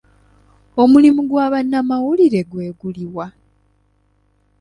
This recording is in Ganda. Omulimu gwa bannamawulire gwe guli wa?